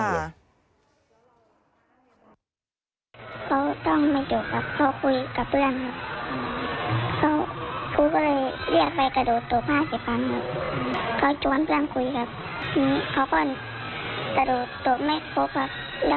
เขาต้องมาอยู่กับเขาคุยกับเพื่อน